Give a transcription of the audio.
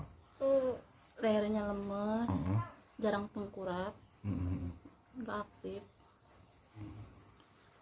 rehernya lemes jarang pengkurap tidak aktif